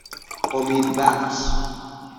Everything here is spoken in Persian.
امیدبخش